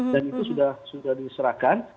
dan itu sudah diserahkan